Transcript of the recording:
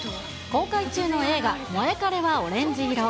公開中の映画、モエカレはオレンジ色。